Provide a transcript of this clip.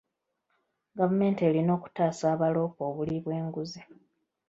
Gavumemti erina okutaasa abaloopa obuli bw'enguzi.